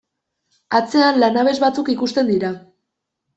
Atzean lanabes batzuk ikusten dira.